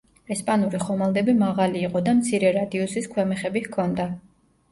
ესპანური ხომალდები მაღალი იყო და მცირე რადიუსის ქვემეხები ჰქონდა.